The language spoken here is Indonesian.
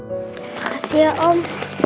makasih ya om